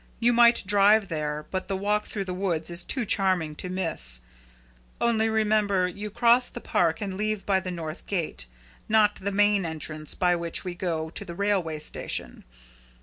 You might drive there, but the walk through the woods is too charming to miss. Only remember, you cross the park and leave by the north gate, not the main entrance by which we go to the railway station.